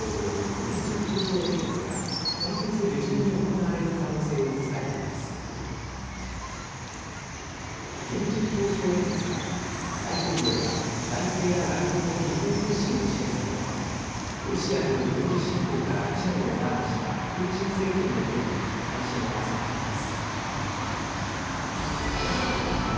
年次教書演説は大統領が内政や外交の基本方針を示すものでロシアによる軍事侵攻から１年を前にしたプーチン政権の動きに関心が集まっています。